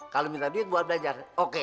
kalau minta duit buat belajar oke